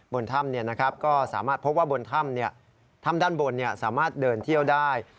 บนถ้ำก็สามารถพบว่าบนถ้ำด้านบนสามารถเดินเที่ยวได้